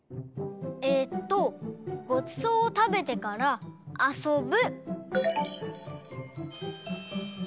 えっとごちそうをたべてからあそぶ。